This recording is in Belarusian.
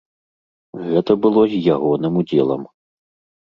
Гэта было з ягоным удзелам.